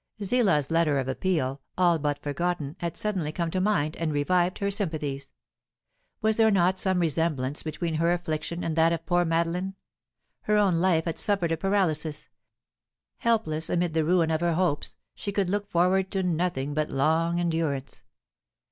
Zillah's letter of appeal, all but forgotten, had suddenly come to mind and revived her sympathies. Was there not some resemblance between her affliction and that of poor Madeline? Her own life had suffered a paralysis; helpless amid the ruin of her hopes, she could look forward to nothing but long endurance.